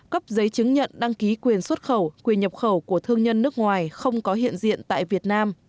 cấp giấy chứng nhận đăng ký quyền xuất khẩu quyền nhập khẩu của thương nhân nước ngoài không có hiện diện tại việt nam